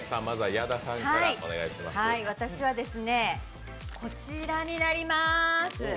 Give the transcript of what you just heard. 私はこちらになります。